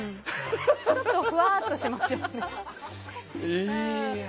ちょっとふわっとしてますよね。